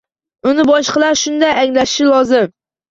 Uni boshqalar shunday anglashi lozim